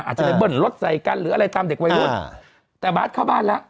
อาจจะไปเบิ้ลรถใส่กันหรืออะไรตามเด็กวัยรุ่นแต่บาทเข้าบ้านแล้ว